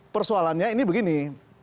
persoalannya ini begini